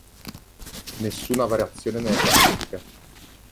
Nessuna variazione nelle classifiche.